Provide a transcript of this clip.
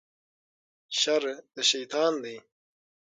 شر د شیطان دی